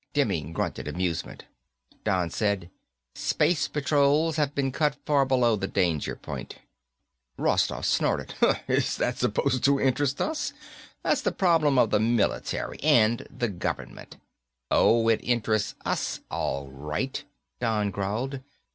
Demming grunted amusement. Don said, "Space patrols have been cut far below the danger point." Rostoff snorted. "Is that supposed to interest us? That's the problem of the military and the government." "Oh, it interests us, all right," Don growled.